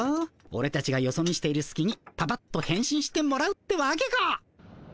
オレたちがよそ見しているすきにパパッとへん身してもらうってわけか。